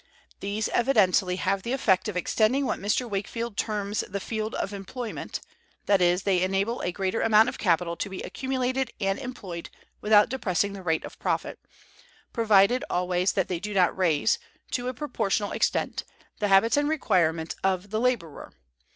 These evidently have the effect of extending what Mr. Wakefield terms the field of employment, that is, they enable a greater amount of capital to be accumulated and employed without depressing the rate of profit; provided always that they do not raise, to a proportional extent, the habits and requirements of the laborer.